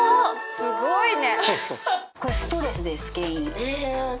すごいね。